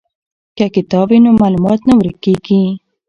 که کتاب وي نو معلومات نه ورک کیږي.